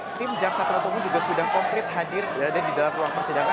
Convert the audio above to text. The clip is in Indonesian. tim jaksa penentu pun juga sudah komplit hadir di dalam ruang persidangan